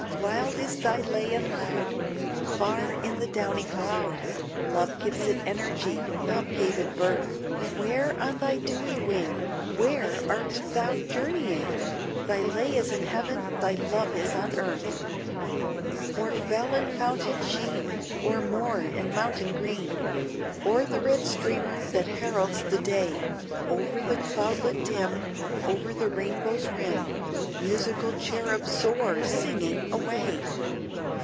Wild is thy lay and loud, Far in the downy cloud; Love gives it energy, love gave it birth. Where, on thy dewy wing, Where art thou journeying? Thy lay is in heaven, thy love is on earth. O'er fell and fountain sheen, O'er moor and mountain green, O'er the red streamer that heralds the day, Over the cloudlet dim, Over the rainbow's rim, Musical cherub, soar, singing away!